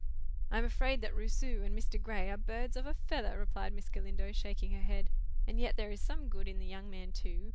"I'm afraid that Rousseau and Mr. Gray are birds of a feather," replied Miss Galindo, shaking her head. "And yet there is some good in the young man too.